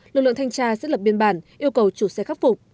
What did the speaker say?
lực lượng thanh tra sẽ lập biên bản yêu cầu chủ xe khắc phục